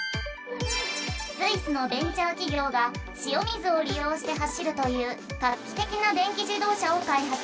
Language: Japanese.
スイスのベンチャーきぎょうが塩水を利用して走るというかっきてきな電気自動車をかいはつ。